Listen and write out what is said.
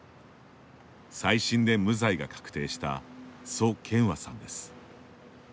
再審で無罪が確定した蘇建和さんです。